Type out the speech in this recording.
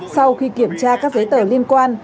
sau khi kiểm tra các giấy tờ liên quan